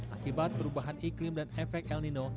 akibat perubahan iklim dan efek el nino